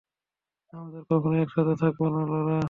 আমাদের কখনোই একসাথে থাকবো না, লরা।